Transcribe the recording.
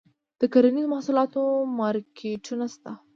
د کرنیزو محصولاتو مارکیټونه شته؟